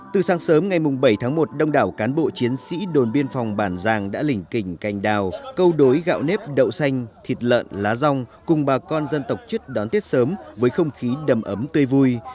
từ sáng sớm ngày bảy tháng một đông đảo cán bộ chiến sĩ đồn biên phòng bản giang đã lỉnh kình cành đào câu đối gạo nếp đậu xanh thịt lợn lá rong cùng bà con dân tộc chất đón tết sớm với không khí đầm ấm tươi vui